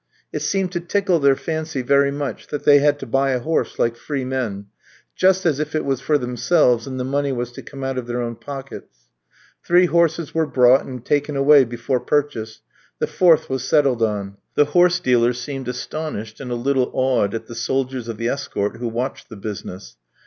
It seemed to tickle their fancy very much, that they had to buy a horse like free men, just as if it was for themselves and the money was to come out of their own pockets. Three horses were brought and taken away before purchase; the fourth was settled on. The horse dealers seemed astonished and a little awed at the soldiers of the escort who watched the business.